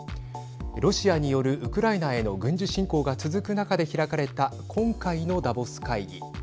ロシアによるウクライナへの軍事侵攻が続く中で開かれた今回のダボス会議。